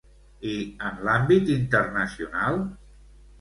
I en l'àmbit internacional?